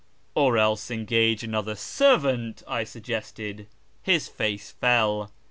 " Or else engage another servant," I suggested. His face fell.